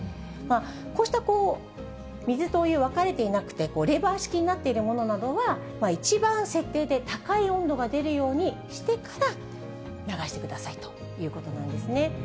こうした水とお湯分かれていなくて、レバー式になっているものなどは、一番設定で高い温度が出るようにしてから流してくださいということなんですね。